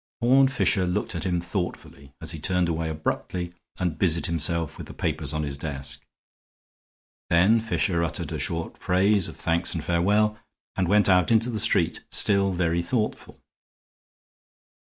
Horne Fisher looked at him thoughtfully as he turned away abruptly and busied himself with the papers on his desk. Then Fisher uttered a short phrase of thanks and farewell, and went out into the street, still very thoughtful.